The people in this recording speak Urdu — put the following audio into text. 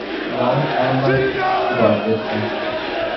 گاؤں اسلام آباد کے قریب ہی واقع تھا